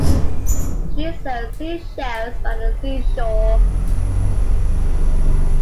She sells sea shells by the sea shore.